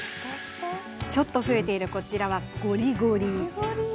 ちょっと増えているこちらは、ゴリゴリ。